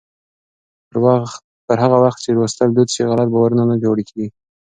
پر هغه وخت چې لوستل دود شي، غلط باورونه نه پیاوړي کېږي.